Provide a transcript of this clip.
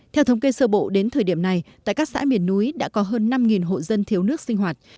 theo thống kê sơ bộ đến thời điểm này tại các xã miền núi đã có hơn năm hộ dân thiếu nước sinh hoạt